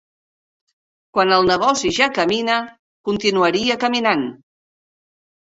Quan el negoci ja camina, continuaria caminant